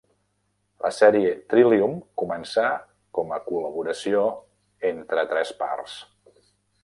La "sèrie Trillium" començà com a col·laboració entre tres parts.